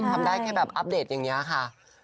ทำได้แค่แบบอัปเดตอย่างนี้ค่ะ